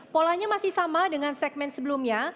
polanya masih sama dengan segmen sebelumnya